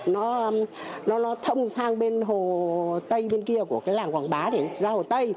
nó thâm sang bên hồ tây bên kia của cái làng quảng bá để ra hồ tây